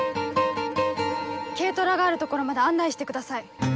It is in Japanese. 軽トラがある所まで案内してください。